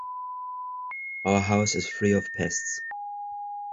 Our house is free of pests.